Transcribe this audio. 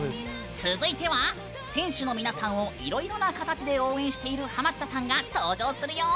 続いては選手の皆さんをいろいろな形で応援しているハマったさんが登場するよ！